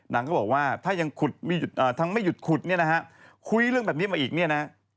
นางก็บอกว่าถ้ายังขุดทั้งไม่หยุดขุดเนี่ยนะฮะคุยเรื่องแบบนี้มาอีกเนี่ยนะ